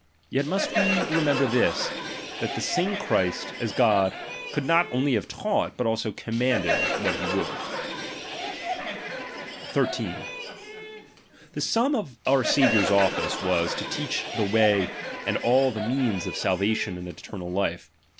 Yet must ^^H we remember this, that the same Christ, as God, ^^H could not only have taught, but also commanded ^^H what he would. ^^| 1 3. The sum of our Saviour's office was, to teach " belong, to oh the way and all the means of salvation and eternal «, t^t, moas life.